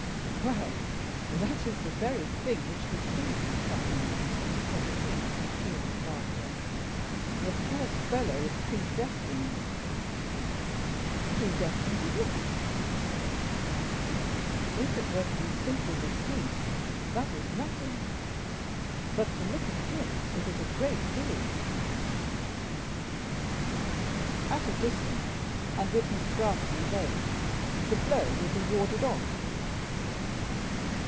"Well, that is the very thing which deceives you, Buckingham," said the king, with a peal of laughter; "the poor fellow is predestined." "Predestined to what?" "If it were to be simply deceived, that is nothing; but, to look at him, it is a great deal." "At a distance, and with Miss Grafton's aid, the blow will be warded off."